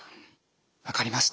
分かりました。